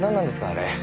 あれ。